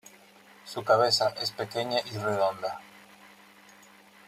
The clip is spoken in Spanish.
Su cabeza es pequeña y redonda.